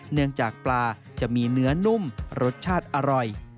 เนื่องจากปลาจะมีเนื้อนุ่มรสชาติอร่อย